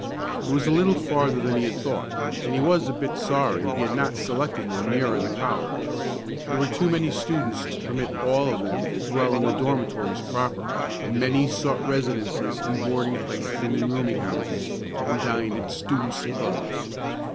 It was a little farther than he had thought, and he was a bit sorry he had not selected one nearer the college. There were too many students to permit all of them to dwell in the dormitories proper, and many sought residences in boarding places and in rooming houses, and dined at students' clubs.